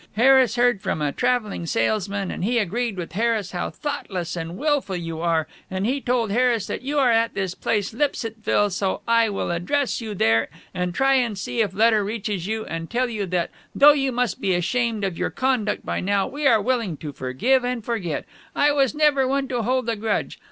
Harris heard from a traveling salesman, & he agreed with Harris how thoughtless and wilful you are, & he told Harris that you are at this place Lipsittsville, so I will address you there & try & see if letter reaches you & tell you that though you must be ashamed of your conduct by now, we are willing to forgive & forget, I was never one to hold a grudge.